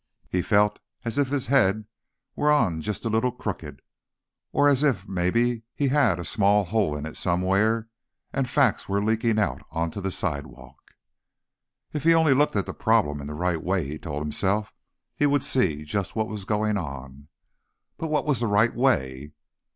He felt as if his head were on just a little crooked. Or as if, maybe, he had a small hole in it somewhere and facts were leaking out onto the sidewalk. If he only looked at the problem in the right way, he told himself, he would see just what was going on. But what was the right way?